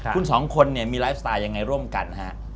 คุณ๒คนมีไลฟ์สไตล์ยังไงร่วมกัน